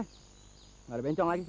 nggak ada bengcong lagi sini